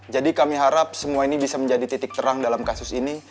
jadi kami harap semua ini bisa menjadi titik terang dalam kasus ini